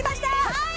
はい！